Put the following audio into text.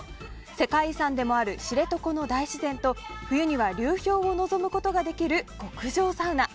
世界遺産でもある知床の大自然と冬には流氷を望むことができる極上サウナ。